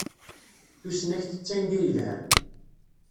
Tusnakt d tanga yelhan.